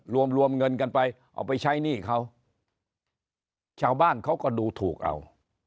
รวมรวมเงินกันไปเอาไปใช้หนี้เขาชาวบ้านเขาก็ดูถูกเอา